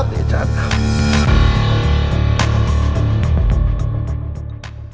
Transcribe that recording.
สวัสดีอาจารย์ครับ